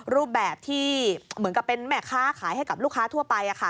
รูปแบบที่เหมือนกับเป็นแม่ค้าขายให้กับลูกค้าทั่วไปค่ะ